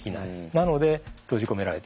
なので閉じ込められてしまう。